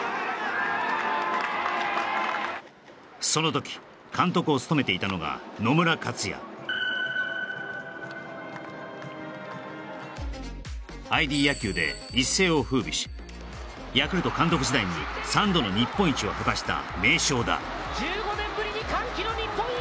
その時監督を務めていたのが野村克也ＩＤ野球で一世を風靡しヤクルト監督時代に３度の日本一を果たした名将だ１５年ぶりに歓喜の日本一！